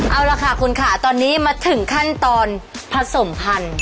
เอาล่ะค่ะคุณค่ะตอนนี้มาถึงขั้นตอนผสมพันธุ์